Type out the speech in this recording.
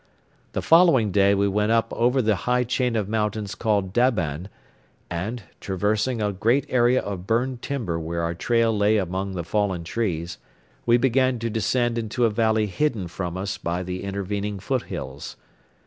The following day we went up over the high chain of mountains called Daban and, traversing a great area of burned timber where our trail lay among the fallen trees, we began to descend into a valley hidden from us by the intervening foothills.